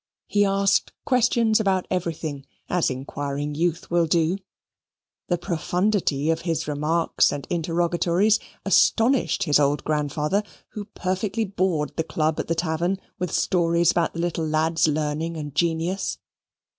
He asked questions about everything, as inquiring youth will do. The profundity of his remarks and interrogatories astonished his old grandfather, who perfectly bored the club at the tavern with stories about the little lad's learning and genius.